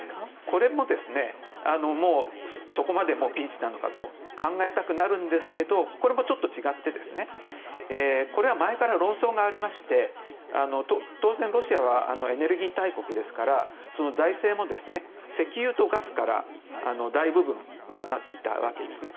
これもそこまでピンチなのかと考えたくなるんですがこれもちょっと違ってこれは前から論争がありまして当然、ロシアはエネルギー大国ですから財政も石油とガスから大部分、なっていたわけですね。